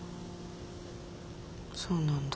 そうなんだ。